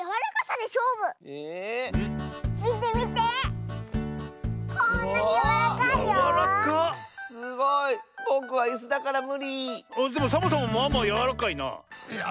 でもサボさんもまあまあやわらかいな。